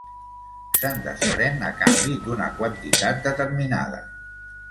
Se'n desprèn a canvi d'una quantitat determinada.